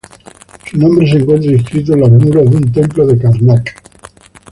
Su nombre se encuentra inscrito en los muros de un templo de Karnak.